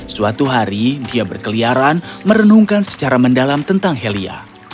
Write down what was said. suatu hari dia berkeliaran merenungkan secara mendalam tentang helia